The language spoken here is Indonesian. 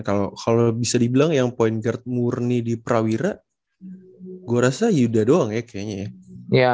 kalau bisa dibilang yang point gerd murni di prawira gue rasa yuda doang ya kayaknya ya